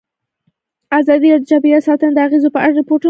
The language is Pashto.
ازادي راډیو د چاپیریال ساتنه د اغېزو په اړه ریپوټونه راغونډ کړي.